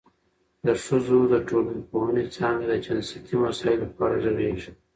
د ښځو د ټولنپوهنې څانګه د جنسیتي مسایلو په اړه غږېږي.